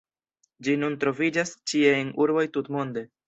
Ĝi nun troviĝas ĉie en urboj tutmonde.